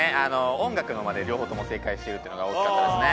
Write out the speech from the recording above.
音楽の間で両方とも正解してるっていうのが大きかったですね。